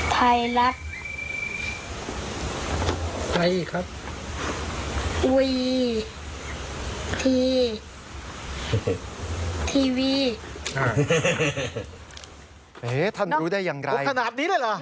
ไทรักไทครับอุวีทีทีวีอ่าเฮ้ท่านรู้ได้อย่างไรขนาดนี้เลยเหรอ